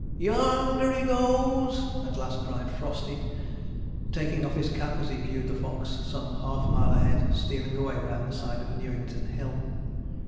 'Y o o nder he goes!' at last cried Frosty, taking off his cap as he viewed the fox, some half mile ahead, stealing away round the side of Newington Hill.